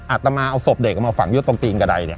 อาตมาเอาศพเด็กเอามาฝังอยู่ตรงตีนกระดายเนี่ย